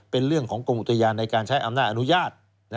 เป็นเรื่องของกรมอุทยานในการใช้อำนาจอนุญาต